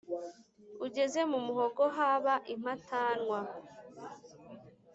Ugeze mu muhogo haba impatanwa;